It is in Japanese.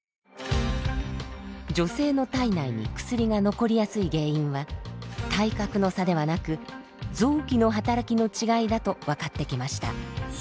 女性の体内に薬が残りやすい原因は体格の差ではなく臓器の働きの違いだと分かってきました。